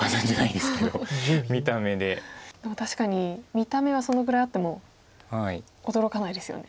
でも確かに見た目はそのぐらいあっても驚かないですよね。